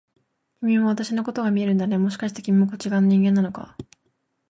君も私のことが見えるんだね、もしかして君もこっち側の人間なのか？